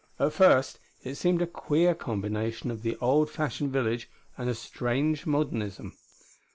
At first it seemed a queer combination of the old fashioned village and a strange modernism.